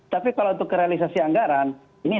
tapi kalau untuk realisasi anggaran ini